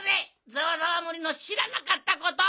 ざわざわ森のしらなかったこと！